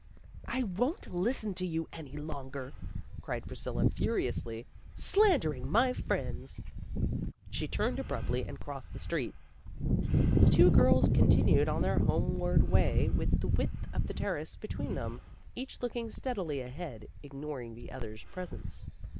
"I won't listen to you any longer," cried Priscilla furiously, "slandering my friends." She turned abruptly and crossed the street. The two girls continued on their homeward way with the width of the Terrace between them, each looking steadily ahead, ignoring the other's presence.